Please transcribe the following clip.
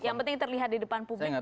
yang penting terlihat di depan publik